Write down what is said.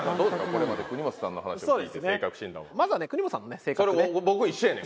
これまで国本さんの話を聞いて性格診断はまずは国本さんの性格ね